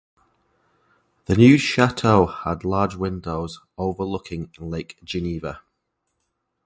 The new chateau had large windows overlooking Lake Geneva.